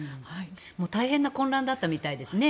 大変な混乱だったみたいですね。